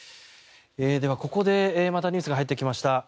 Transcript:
では、ここでまたニュースが入ってきました。